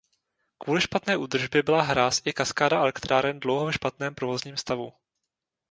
Kvůli špatné údržbě byla hráz i kaskáda elektráren dlouho ve špatném provozním stavu.